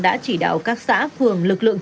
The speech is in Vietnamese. đã chỉ đạo các xã phường lực lượng